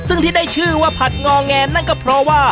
ซึ่งที่ได้ชื่อว่าผัดงอแงนั่นก็เพราะว่า